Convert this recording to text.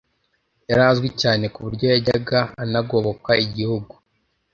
Yari azwi cyane ku buryo yajyaga anagoboka igihugu